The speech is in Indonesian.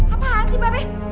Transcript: apaan sih babe